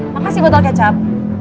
makasih botol kecap